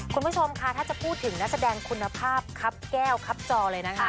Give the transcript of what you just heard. คุณผู้ชมค่ะถ้าจะพูดถึงนักแสดงคุณภาพครับแก้วคับจอเลยนะคะ